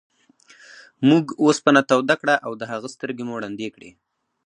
موږ اوسپنه توده کړه او د هغه سترګې مو ړندې کړې.